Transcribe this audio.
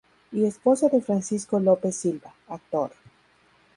Y esposa de Francisco López Silva, actor.